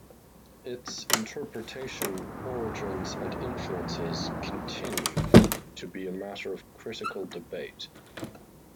Its interpretation, origins and influences continue to be a matter of critical debate.